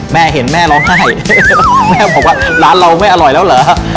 แม่เห็นแม่ร้องไห้แม่บอกว่าร้านเราไม่อร่อยแล้วเหรอ